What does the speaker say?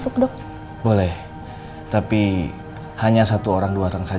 kita akan meny llega